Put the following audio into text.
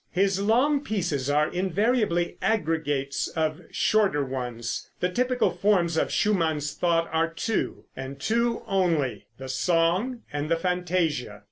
His long pieces are invariably aggregates of shorter ones. The typical forms of Schumann's thought are two, and two only, the Song and the Fantasia.